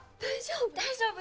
大丈夫？